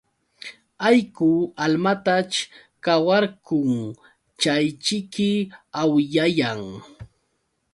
Allqu almataćh qawarqun chayćhiki awllayan.